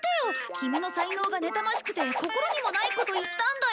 キミの才能がねたましくて心にもないこと言ったんだよ！